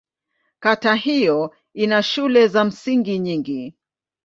Kata hiyo ina shule za msingi nyingi.